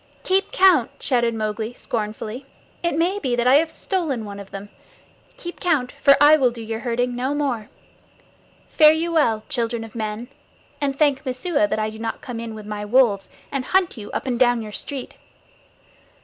"Keep count!" shouted Mowgli scornfully. "It may be that I have stolen one of them. Keep count, for I will do your herding no more. Fare you well, children of men, and thank Messua that I do not come in with my wolves and hunt you up and down your street."